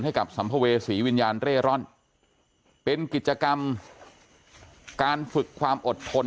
สัมภเวษีวิญญาณเร่ร่อนเป็นกิจกรรมการฝึกความอดทน